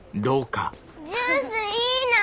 ジュースいいな。